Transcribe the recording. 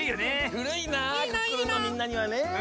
ふるいな「クックルン」のみんなにはね。